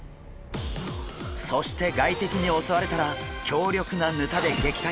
そして外敵に襲われたら強力なヌタで撃退。